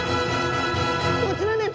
こちらです。